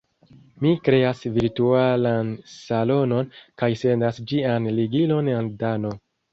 Mi kreas virtualan salonon, kaj sendas ĝian ligilon al Dano.